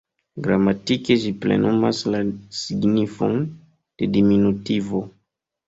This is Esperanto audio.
Gramatike ĝi plenumas la signifon de diminutivo.